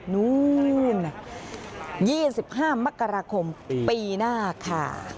นู่น๒๕มกราคมปีหน้าค่ะ